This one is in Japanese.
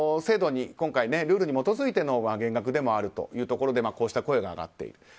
今回、ルールに基づいての減額でもあるというところでこうした声が上がっている。